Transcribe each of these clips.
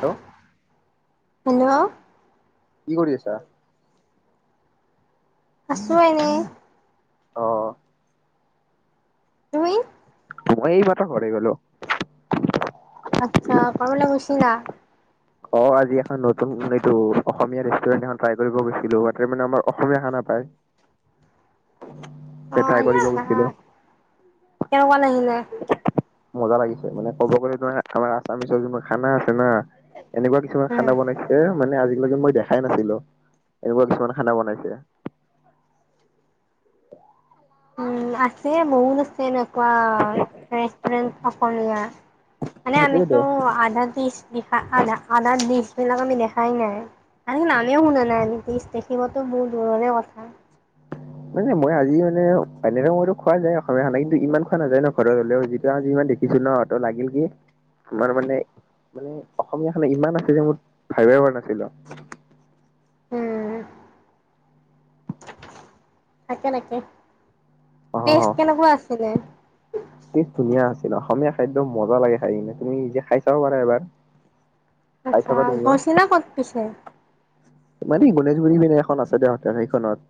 Hello hello কি কৰি আছা? আছোঁ এনে। অ', তুমি? মই এই মাত্ৰ ঘৰ আহি পালো। আহিলা। অ আজি এখন নতুন এইটো অসমীয়া ৰেষ্টুৰেণ্ট এখন ট্ৰাই কৰিব গৈছিলো ইতে মানে আমাৰ অসমীয়া খানা পায়। অ ট্ৰাই কৰিব আচ্ছা, গৈছিলো কেনেকুৱা লাগিলে? মজা লাগিছে মানে ক'ব গলে তই আমাৰ আচামিচৰ যিবোৰ খানা আছে না। এনেকুৱা কিছুমান উম খানা বনাইছে মানে আজি এনেকে মই দেখাই নাছিলো এনেকুৱা কিছুমান খানা বনাইছে। উম আছে [unintelligible] আছে ন ৱাঃ ৰেষ্টুৰেন্ট অসমীয়া মানে আমিতো সেইটোয়েতো আধা ডিচ [unintelligible] আধা আধা দিছ সেইবিলাক আমি দেখাই নাই আমি নামে শুনা নাই আমি দিছ দেখিবো বহু দূৰৰে কথা। মানে মই আজি মানে এনেক মইতো খোৱা নাই অসমীয়া খানা কিন্তু ইমান খোৱা নাযায় ন ঘৰত হলেও যিটো আজি ইমান দেখিছো ন লাগিল কি তোমাৰ মানে মানে অসমীয়া খানা ইমান আছে যে মোৰ ভাবিব পৰা নাছিলো। উম থাকে নাকে অ পেষ্ট কেনেকুৱা আছিলে। কি ধুনীয়া । অসমীয়া খাদ্য মজা লাগে খাই কিনে, তুমি যে খাই চাব পাৰা এবাৰ খাই আচ্ছা চাবা তুমিও গৈছিনে ক'ত পিছে? মানে গণেশগুৰি পিনে এখন আছে দেহঁতেৰ সেইখনত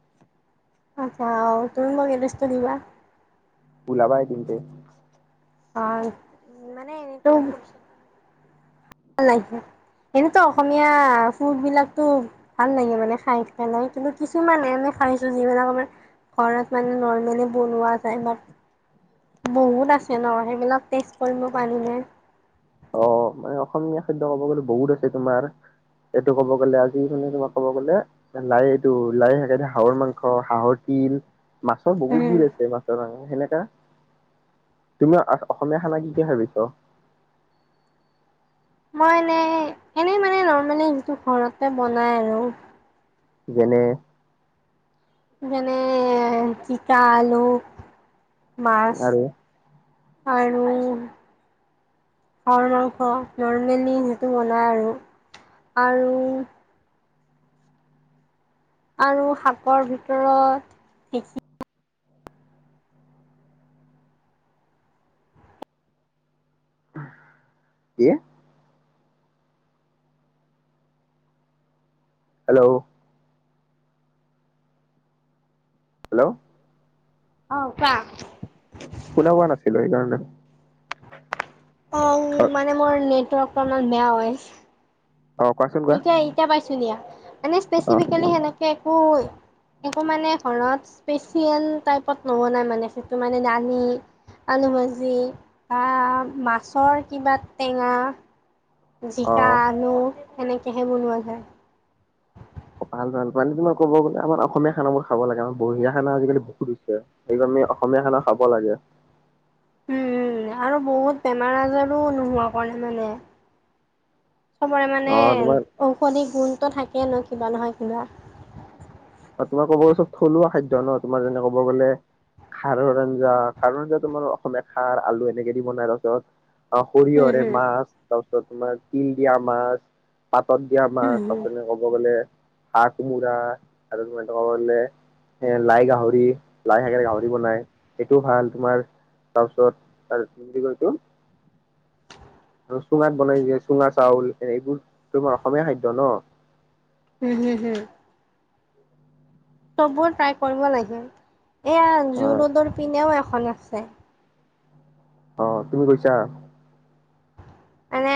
আচ্ছা অ' তুমি মোক এড্ৰেছটো দিবা। ওলাবা এদিন তে অ' মানে এনেটো ল এনেতো অসমীয়া ফুড বিলাকতো ভাল লাগে মানে খাই পেলাই কিন্তু কিছুমানে আমি খাইছো যিবিলাক আমাৰ ঘৰত মানে নৰ্মেলি বনোৱা যায়, বহুত আছে ন সেইবিলাক দেখি কৰিব পাৰবিনে? অ' মানে অসমীয়া খাদ্য ক'ব গলে বহুত আছে তোমাৰ, এইটো ক'ব গলে আজি মই তোমাক ক'ব গ'লে লাই এইটো লাই থাকে যে হাঁহৰ মাংস, হাঁহৰ তিল মাছৰ বহুত উম বিধ আছে, মাছৰ কাৰণে সেনেকা তুমিও অসমীয়া খানা কি কি ভাবিছ? মই এনেই এনেই মানে নৰ্মেলি যিটো ঘৰতে বনাই আৰু যেনে যেনে তিতা, আলু । মাছ আৰু আৰু হাঁহৰ মাংস নৰ্মেলি সেইটো বনায় আৰু, আৰু আৰু শাকৰ ভিতৰত ঢেঁকী কি হেল্ল'। হেল্ল'। অ' কোৱা শুনা পোৱা নাছিলো সেইকাৰণে অ' মানে মোৰ নেট অকণমান বেয়া হৈ আছে অ কোৱাচোন কোৱা ইতিয়া ইতিয়া পাইছো দিয়া মানে স্পেচিফিকেলি সেনেকে একো একো মানে ঘৰত স্পেচিয়েল টাইপত নবনাই মানে সেইটো মানে দালি আলু ভাজি বা মাছৰ কিবা টেঙা অ জিকা, অ আলু সেনেকেহে বনোৱা যায় ভাল ভাল মানে তোমাৰ কব গ'লে আমাৰ অসমীয়া খানাবোৰ খাব লাগে, আমাৰ বঢ়িয়া খানা আজিকালি বহুত হৈছে সেইকাৰণে আমি অসমীয়া খানা খাব লাগে। উম আৰু বহুত বেমাৰ-আজাৰো নোহোৱা কাৰণে মানে চবৰে অ মানে তোমাৰ ঔষধি গুণ থাকে ন কিবা নহয় কিবা তোমাৰ কব গ'লে চব থলুৱা খাদ্য ন, তোমাৰ যেনে ক'ব গ'লে খাৰৰ আঞ্জা, খাৰৰ আঞ্জা তোমাৰ অসমীয়া খাৰ আলু এনেকে দি বনাই তাৰপিছত অ' হম, সৰিয়হৰে হম, মাছ তাৰ তোমাৰ তিল দিয়া মাছ । পাতত দিয়া হম, মাচ হম, আছে কব গ'লে হাঁহ, কোমোৰা আৰু তোমাৰ ক'ব গলে এ লাই গাহৰি, লাই শাকেৰে গাহৰি বনাই সেইটো ভাল তোমাৰ তাৰপিছত তাৰ কি কৈছো চুঙাত বনাই যে চুঙা চাউল এনে এইবোৰ তোমাৰ অসমীয়া খাদ্য ন। হুম হুম হুম। চববোৰ ট্ৰাই কৰিব লাগে। এইয়া যো অ', ৰোডৰ পিনেও এখ ন আছে। অ তুমি গৈছা? মানে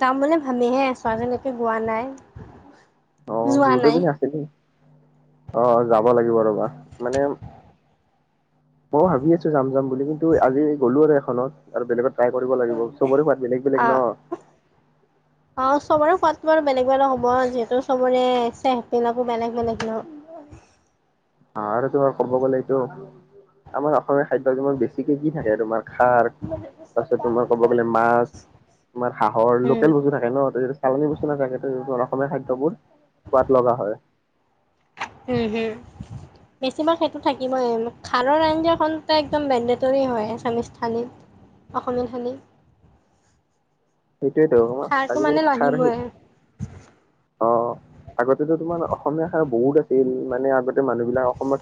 যাম বুলি ভাবিহে আছো আজি লৈকে যোৱা নাই। অ জুডো বিনে আছে দে। অ যাব লাগিব ৰবা, মানে মইও ভাবি আছো যাম যাম বুলি কিন্তু আজি গ'লো আৰু এখনত আৰু বেলেগত ট্ৰাই কৰিব লাগিব চবৰে হোৱাদ বেলেগ অ বেলেগ ন। সোৱাতটো আৰু বেলেগ বেলেগ হ'ব যিহেতু চবৰে চেহৰ বিলাকো বেলেগ বেলেগ ন। অ আৰু তোমাৰ ক'ব গলে এইটো আমাৰ অসমীয়া খাদ্য যিমান বেছিকে কি থাকে তোমাৰ? খাৰ, তাৰপিছত তোমাৰ কব গ'লে মাছ, তোমাৰ হাঁহৰ উম লোকেল বস্তু থাকে ন, যত চালনী বস্তু নাথাকে অসমীয়া খাদ্যবোৰ সোৱাদ লগা হয়। উম হুম বেছিভাগ সেইটো থাকিবই খাৰৰ আঞ্জাখন একমদ মেন্দেটৰি হয়। থালীত অসমীয়া থালী। সেইটোৱেতো আজিকালি খাৰ আহি অ আগতে তোমাৰ অসমীয়া খাৰ বহুত আছিল, মানে আগতে মানুহ বিলাক অসমত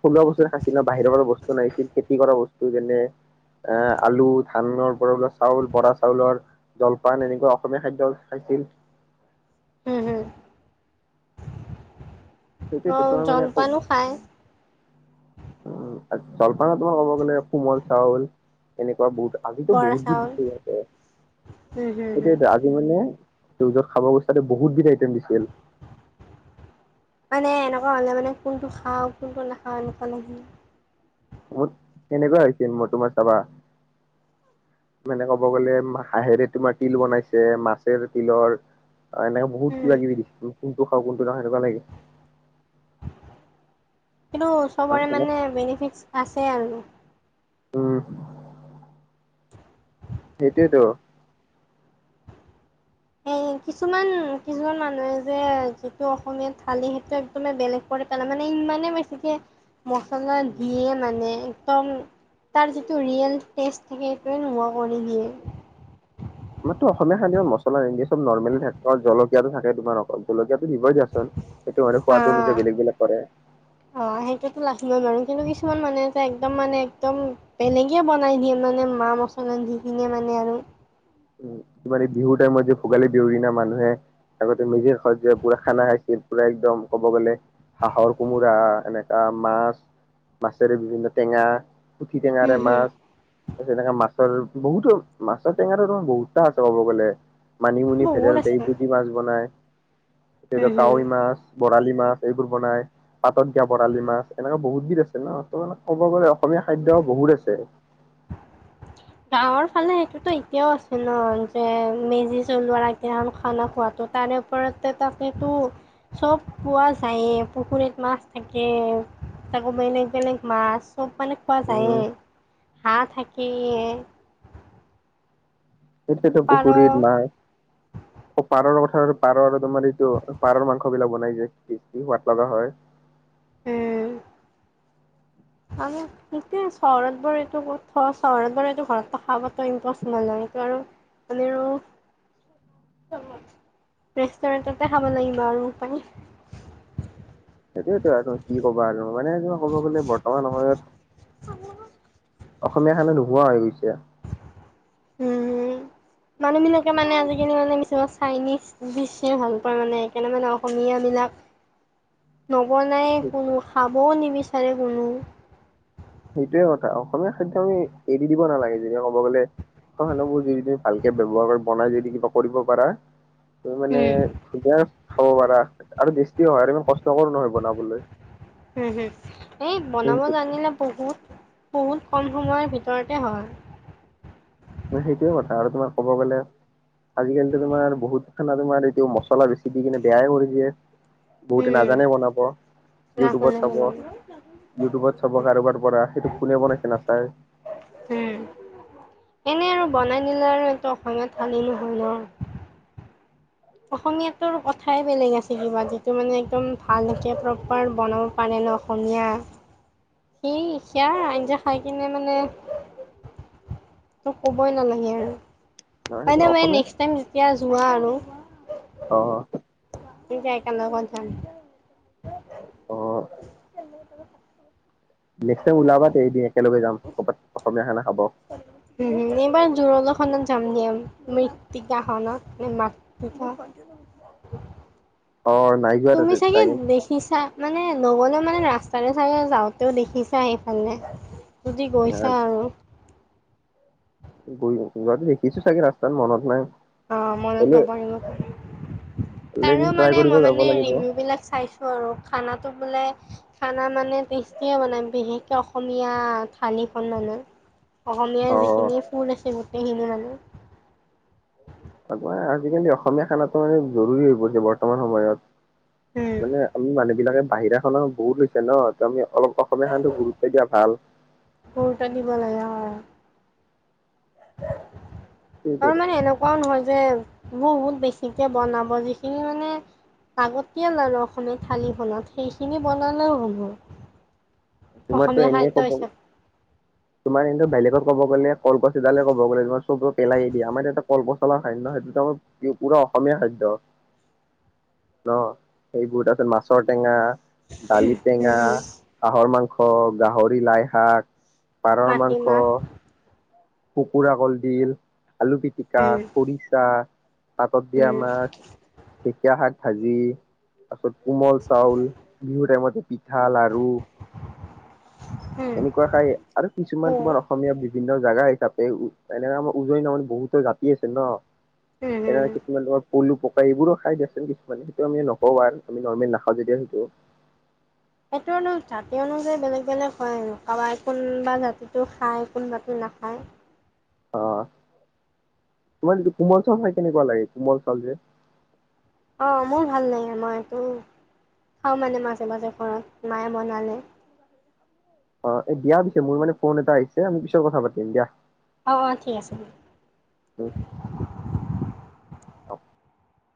থলুৱা বস্তু খাইছিল ন, বাহিৰৰ পৰা বস্তু নাইছিল খেতি কৰা বস্তু যেনে এ আলু ধানৰ পৰা চাউল, বৰা চাউলৰ জলপান এনেকুৱা অসমীয়া খাদ্য খাইছিল। হম হম। সেইটোৱেতো অহ তোমাৰ মানে আকৌ জলপানো খাই। জলপান তোমাৰ ক'ব গ'লে কোমল চাউল এনেকুৱা বহুত আজিতো বৰা বহুত চাউল বিধ আছে হুম হুম হুম সেইটোয়েটো আজি মানে জো যত খাব গৈছা টো বহুত বিধ আইটেম দিছিল। মানে এনেকুৱা হ'লে মানে কোনটো খাওঁ কোনটো নাখাওঁ এনেকুৱা লাগে। মোৰ কেনেকুৱা হৈছিল মই তোমাৰ চাবা মানে ক'ব গলে হাঁহেৰে তোমাৰ তিল বনাইছে, মাছেৰে তিলৰ অ এনেকে বহুত উম, কিবাকিবি দিছিল। কোনটো খাওঁ কোনটো নাখাওঁ সেনেকুৱা লাগে। কিন্তু চবৰে মানে বেনিফিট আছে। অছে আৰু। উম। সেইটোৱেটো। এ কিছুমান কিছুমান মানুহে যে যিটো অসমীয়াত থালি সেইটো একদমে বেলেগ পেলাই মানে ইমানে বেছিকে মচলা উম দিয়ে মানে। একদম তাৰ যিটো ৰিয়েল টেষ্ট থাকে, সেইটোৱে নোহোৱা কৰি দিয়ে। আমাৰতো অসমীয়া খাদ্যত মছলা নিদিয়ে চব নৰ্মেলে থাকে জলকীয়াটো থাকে অকল জলকীয়া টো দিবই দিয়া চোন, সেইটো মানে আ সোৱাতো অনুযায়ী বেলেগ, বেলেগ কৰে। মই বাৰু কিন্তু কিছুমান মানুহ এটা একদম মানে, একদম বেলেগে বনাই দিয়ে মানে, মা-মছলা দি কিনে মানে আৰু। তমাৰ এই বিহুৰ টাইমত যে ভোগালী দেউৰিনা মানুহে আগতে মেজিৰ ঘৰ যে পুৰা খানা খাইছিল, পুৰা একদম কব গ'লে হাঁহৰ কোমোৰা, এনেকা মাছ, মাছেৰে বিভিন্ন টেঙা। পুঠি টেঙাৰে হুম হুম মাছ, তাৰ পিছত এনেকা মাছ। ছাৰ বহুত মাছৰ টেঙাৰৰ বহুত। [unintelligible] ক'ব গ'লে। মানিমুনি, বহুত ভেদাইলতা আছে। এইবোৰ দি মাছ বনাই। হুম স, হুম। কাৱৈ মাছ, বৰালি। মাছ এইবোৰ বনাই, পাতত দিয়া বৰালি মাছ, এনেকুৱা বহুত বিধ আছে ন তেনেদৰে ক'ব গলে অসমীয়া খাদ্য বহুত আছে। গাঁৱৰ ফালে সেইটোতো এতিয়াও আছে ন যে মেজি জলোৱাৰ আগদিনাখনি খানা খোৱাটো তাৰে ওপৰতো চব পোৱা যায়েই পুখুৰীত মাছ থাকে তাকৌ বেলেগ, বেলেগ মাছ চব মানে খোৱা উম যায়েই। হাঁহ, থাকেয়ে। এতিয়াতো পুখুৰীত নাই, [unintelligible] পাৰৰ লগত পাৰৰ আৰু তোমাৰ এইটো পাৰৰ মাংসবিলাক বনাই যে কি সোৱাদ লগা হয়। উম, আ, খিটোৱে চহৰত বা এইটো থোৱা চহৰত বা এইটো ঘৰত থকাটো ইম্পচিবল হয়, আৰু আমি ৰেষ্টুৰেণ্টতে খাব লাগিব আৰু উপাই সেইটোয়েতো আৰু কি কবা আৰু মানে ক'ব গ'লে বৰ্তমান সময়ত অসমীয়া খানা নোহোৱা হৈ গৈছে। মানুহবিলাকে মানে আজিকালি মানে কিছুমান চাইনিজ ডিশহে ভাল পায় মানে, সেইকাৰণে মানে অসমীয়াবিলাক নবনাই কোনো খাম খাবও নিবিচাৰে কোনো সেইটোৱে কথা অসমীয়া খাদ্য আমি এৰি দিব নালাগে, যদি কব গ'লে খানাবোৰ যদি তুমি ভালকে ব্যৱহাৰ কৰি বনাই যদি কিবা কৰিব পাৰা তুমি মানে [unintelligible] খাব পাৰা, আৰু টেষ্টিও হয়, আৰু ইমান কষ্টকৰো নহয় বনাবলৈ। হুম, হুম। এই বনাব জানিলে বহুত। বহুত কম সময়ৰ ভিতৰতে হয়। সেইটোৱে কথা আৰু তোমাৰ ক'ব গ'লে আজিকালি তোমাৰ বহুত খানা তোমাৰ এইটো মছলা বেছি দি কিনে বেয়াই কৰি দিয়ে। বহুতে নাজানে বনাব, লাভ হ'লে ইউটিউবত চাব, বনাব ইউটিউবত চাব কাৰোবাৰ পৰা, সেইটো কোনে বনাইছে নাছাই। এনে আৰু বনাই নিলে আৰু এইটো অসমীয়াত থালি নহয় ন অসমীয়াটোৰ কথাই বেলেগ আছে কিবা যিটো মানে একদম ভালকে প্ৰপাৰ বনাব পাৰে ন, অসমীয়া সি সেয়া আঞ্জা খাই কিনে মানে তো ক'বই নালাগে আৰু, নহয় সেইটো হয়নে বাইডাৱে অসমীয়া নেক্সটাইম যেতিয়া যোৱা আৰু অ অ । কি যাই একে লগত যাম। অঁ। নেক্সটাইম ওলাবা এইদিন একেলগে যাম। ক'বাত অসমীয়া খানা খাব উম এইবাৰ জোৰলা খনত যাম দে আমি মৃত্তিকা খনত নে মাত্ৰিকা। অ নাই যোৱা তুমি তাতে চাগে যাই দেখিছা মানে নগ'লেও মানে ৰাস্তাৰে চাগে যাওঁতেও দেখিছাই এইফালে । যদি গৈছা আৰু। কবাত দেখিচো চাগে ৰাস্তাত মনত নাই। অহ মনত হ'লেও নপৰিব পাৰে, এদিন আৰু ট্ৰাই মানে কৰিব মই যাব মানে লাগিব ৰিমো বিলাক চাইছো আৰু খানাটো বোলে খানা মানে টেষ্টিয়ে বনাই বিশেষকে অসমীয়া থালিখন মানে । অ অসমীয়াৰ যিখিনিয় ফুল আছে । এইখিনি মানে। আজিকালি অসমীয়া খানাটো মানে জৰুৰী হৈ পৰিছে বৰ্তমান সময়ত । উম। মানে আমি মানুহ বিলাকে বাহিৰাখনো বহুত লৈছে ন ত' আমি অলপ অসমীয়া খানাটো গুৰুত্ব দিয়া ভাল। গুৰুত্ব দিব লগা হয়। [inaudible] আৰু সেইটোৱেটো। মানে এনেকুৱাও নহয় যে বহুত বেছিকে বনাব যিখিনি মানে লাগতিয়াল আৰু অসমীয়া থালিখনত সেইখিনি বনালেও হব । তোমাৰতো এনে [unintelligible] তোমাৰ এনে বেলেগত ক'ব গ'লে কলগছ এডালে ক'ব গ'লে তোমাৰ চব পেলাই এ দিয়া আমাৰ এটা কলপচলাৰ খাদ্য সেইটোতো আমাৰ পুৰা অসমীয়া খাদ্য অহ সেইবোৰ তাৰপাছত মাছৰ টেঙা ডালি উম টেঙা হম মাংস, গাহৰি, লাই শাক । পাৰৰ মাংস মাটিমাহ । কুকুৰা কল দিল । আলু পিটিকা, উম খৰিচা । পাতত দিয়া উম মাছ, ঢেকীয়া শাক । ভাজি তাৰ পিছত কোমল চাউল বিহু টাইমতে পিঠা, লাৰু উম এনেকুৱা খাই আৰু কিছুমান বুট তোমাৰ অসমীয়া বিভিন্ন জাগা তাপে এনেকে আমাৰ উজনি নামনি বহুতো জাতি আছে ন । উম তেনে হম কিছুমানৰ পলু ত' এইবোৰো খাই দিয়াচোন কিছুমানে সেইটো আমি নকও আৰু আমি নৰ্মেল নাখাওঁ যেতিয়া সেইটো । এইটো জাতি অনুযায়ী বেলেগ বেলেগ হয় আৰু কাৰোবাই কোনোবা জাতিটো খায় কোনবাতি নাখায় । অহ তোমাৰ এইটো কোমল চাউল খাই কেনেকুৱা লাগে কোমল চাউল যে । অহ মোৰ ভাল লাগে মইতো খাওঁ মানে মাজে মাজে ঘৰত মায়ে বনালে । অহ এ দিয়া পিছে মোৰ মানে ফোন এটা আহিছে মই পিছত কথা পাতিম দিয়া। অ অ ঠিক আছে দিয়ক [inaudible] [unintelligible] অ